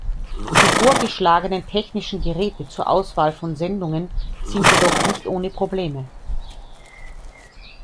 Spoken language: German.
Die vorgeschlagenen technischen Geräte zur Auswahl von Sendungen sind jedoch nicht ohne Probleme.